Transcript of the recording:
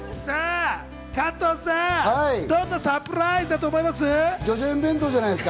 加藤さん、どんなサプライズだと思います？